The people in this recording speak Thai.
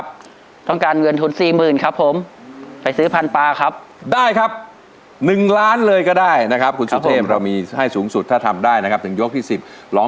อ๋อสองเบือนนี้เป็นแสนไหมครับเป็นแสน